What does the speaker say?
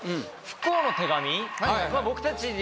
不幸の手紙。